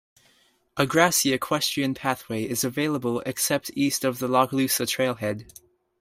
A grassy equestrian pathway is available except east of the Lochloosa trailhead.